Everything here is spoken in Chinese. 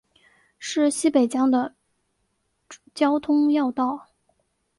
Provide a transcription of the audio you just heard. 是南北疆的交通要道。